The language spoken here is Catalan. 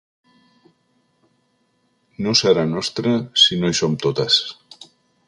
No serà nostre si no hi som totes.